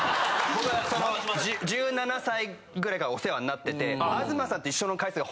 僕は１７歳ぐらいからお世話になってて。